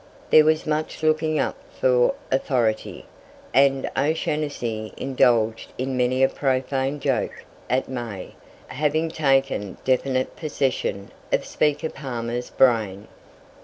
There was much looking up for authority, and O'Shanassy indulged in many a profane joke at "May" having taken definitive possession of Speaker Palmer's brain.